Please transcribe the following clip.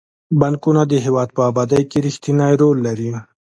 بانکونه د هیواد په ابادۍ کې رښتینی رول لري.